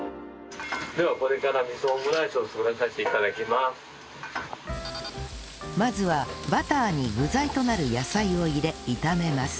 ではこれからまずはバターに具材となる野菜を入れ炒めます